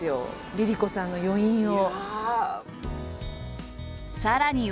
ＬｉＬｉＣｏさんの余韻を。